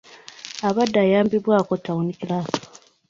Abadde ayambibwako ttawuni kkiraaka.